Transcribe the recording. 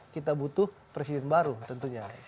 kita butuh presiden baru tentunya